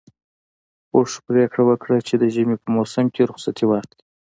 اوښ پرېکړه وکړه چې د ژمي په موسم کې رخصتي واخلي.